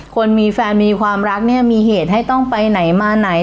คนมีแฟนมีความรักเนี่ยมีเหตุให้ต้องไปไหนมาไหน